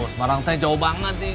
semarang saya jauh banget nih